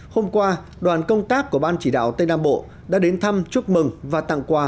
hôm qua đoàn công tác của ban chỉ đạo tây nam bộ đã đến thăm chúc mừng và tặng quà